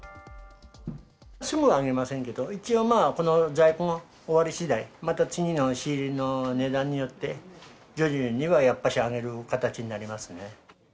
すぐには上げませんけど、一応この在庫の終わりしだい、また次の仕入れの値段によって、徐々にはやっぱし上げる形になりますね。